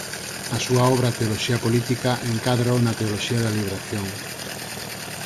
A súa obra "Teoloxía política" encádrao na teoloxía da liberación.